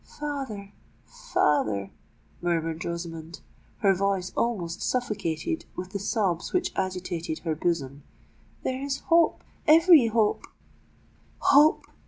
"Father—father," murmured Rosamond, her voice almost suffocated with the sobs which agitated her bosom,—"there is hope—every hope——" "Hope!"